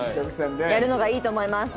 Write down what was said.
やるのがいいと思います！